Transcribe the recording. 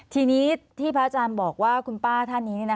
ทีนี้ที่พระอาจารย์บอกว่าคุณป้าท่านนี้